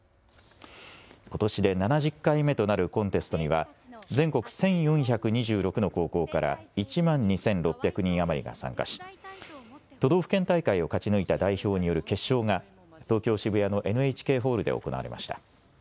ことしで７０回目となるコンテストには全国１４２６の高校から１万２６００人余りが参加し都道府県大会を勝ち抜いた代表による決勝が東京渋谷のＮＨＫホールで行われました。